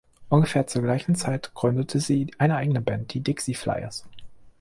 Ungefähr zur gleichen Zeit gründete sie eine eigene Band, die Dixie Flyers.